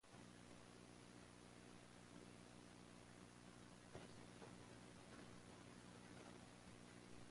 Frewville is in the local government area of the City of Burnside.